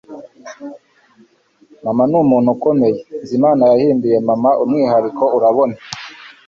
mama numuntu ukomeye nzi, imana yahinduye mama umwihariko, urabona